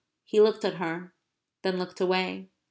He looked at her, then looked away.